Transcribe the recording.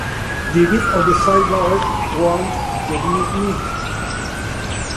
The best of Syd Barret.Wouldn,t you miss me?